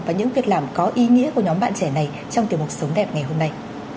và những việc làm có ý nghĩa của nhóm bạn trẻ này trong tiềm mục sống đẹp ngày hôm nay